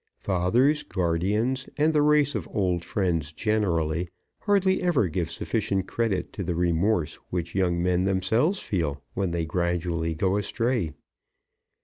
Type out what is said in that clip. Fathers, guardians, and the race of old friends generally, hardly ever give sufficient credit to the remorse which young men themselves feel when they gradually go astray.